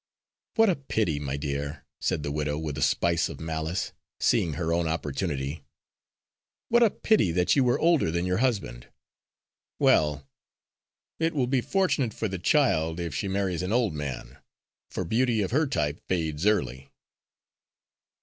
"What a pity, my dear," said the widow, with a spice of malice, seeing her own opportunity, "what a pity that you were older than your husband! Well, it will be fortunate for the child if she marries an old man, for beauty of her type fades early."